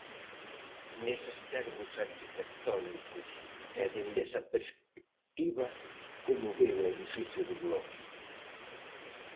Neses termos arquitectónicos e dende esa perspectiva, como ve o edificio do Bloque?